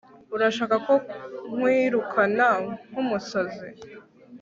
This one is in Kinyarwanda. urashaka ko nkwirukana nk'umusazi